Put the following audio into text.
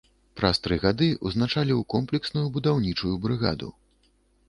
Праз тры гады ўзначаліў комплексную будаўнічую брыгаду.